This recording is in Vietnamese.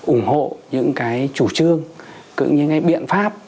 ủng hộ những cái chủ trương những cái biện pháp